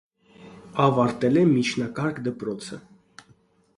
Ավարտել է միջնակարգ դպրոցը։